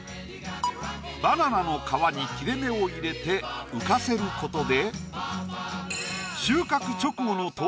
バナナの皮に切れ目を入れて浮かせることで。